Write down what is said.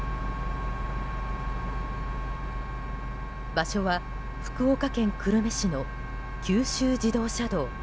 場所は福岡県久留米市の九州自動車道。